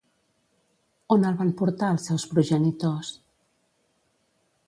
On el van portar, els seus progenitors?